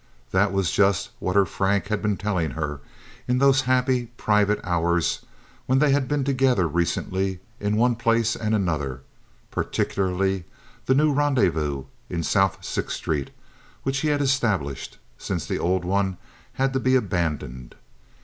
That was just what her Frank had been telling her in those happy, private hours when they had been together recently in one place and another, particularly the new rendezvous in South Sixth Street which he had established, since the old one had to be abandoned.